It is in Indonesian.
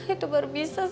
itu baru bisa